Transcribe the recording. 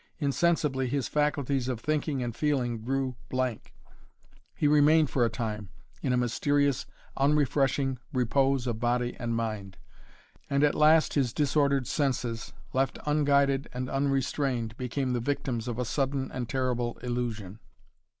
Insensibly his faculties of thinking and feeling grew blank; he remained for a time in a mysterious, unrefreshing repose of body and mind, and at last his disordered senses, left unguided and unrestrained, became the victims of a sudden and terrible illusion.